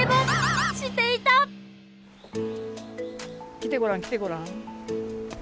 来てごらん来てごらん。